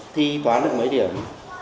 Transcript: thi toán được mấy điểm